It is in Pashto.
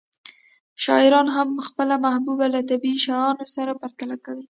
شاعران هم خپله محبوبه له طبیعي شیانو سره پرتله کوي